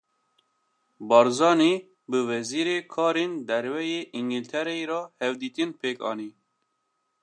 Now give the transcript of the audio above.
Barzanî, bi Wezîrê Karên Derve yê Îngîltereyê re hevdîtin pêk anî